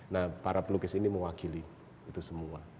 nah para pelukis ini mewakili itu semua